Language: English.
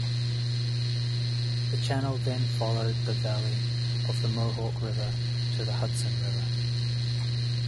The channel then followed the valley of the Mohawk River to the Hudson River.